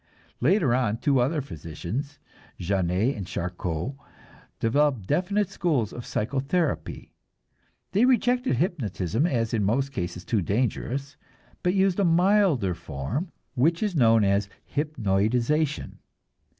Later on two other physicians, Janet and Charcot, developed definite schools of "psychotherapy." They rejected hypnotism as in most cases too dangerous, but used a milder form which is known as "hypnoidization."